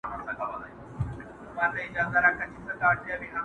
پر سرو شونډو به دي ګراني، پېزوان وي، او زه به نه یم؛